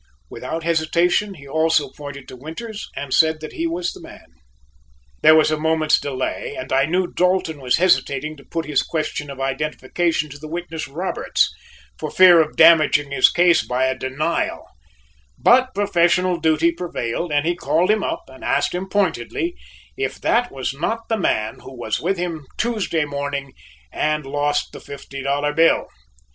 Without hesitation he also pointed to Winters and said that he was the man. There was a moment's delay, and I knew Dalton was hesitating to put his question of identification to the witness Roberts, for fear of damaging his case by a denial, but professional duty prevailed, and he called him up and asked him pointedly if that was not the man who was with him Tuesday morning and lost the fifty dollar bill.